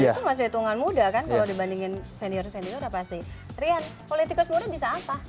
rian politikus muda bisa apa